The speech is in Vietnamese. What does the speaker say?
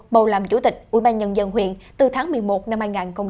bầu làm chủ tịch ủy ban nhân dân huyện từ tháng một mươi một năm hai nghìn hai mươi